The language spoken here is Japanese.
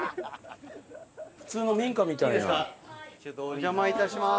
お邪魔いたします。